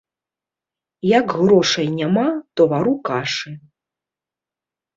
Як грошай няма, то вару кашы.